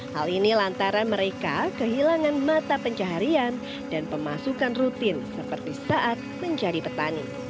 hal ini lantaran mereka kehilangan mata pencaharian dan pemasukan rutin seperti saat menjadi petani